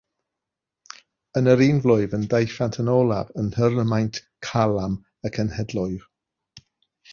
Yn yr un flwyddyn daethant yn olaf yn nhwrnamaint carlam y cenhedloedd.